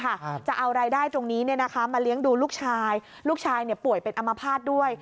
เราจะเอารายได้ตรงนี้มาเลี้ยงดูลูกชายลูกชายป่วยเป็นอมภาษณ์ด้วย